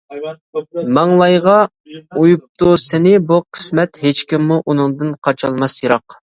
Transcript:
ماڭلايغا ئويۇپتۇ سېنى بۇ قىسمەت، ھېچكىممۇ ئۇنىڭدىن قاچالماس يىراق.